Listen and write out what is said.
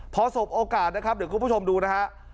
พอสบโอกาสนะครับเดี๋ยวคุณผู้ชมดูนะฮะ